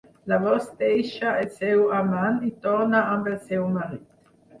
Llavors deixa el seu amant i torna amb el seu marit.